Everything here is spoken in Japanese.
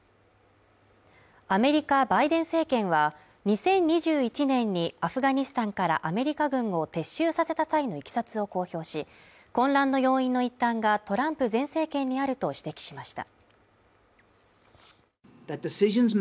アメリカ・バイデン政権は２０２１年にアフガニスタンからアメリカ軍を撤収させた際の経緯を公表し、混乱の要因の一端がトランプ前政権にあると指摘しました。